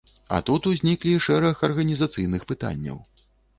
А тут узніклі шэраг арганізацыйных пытанняў.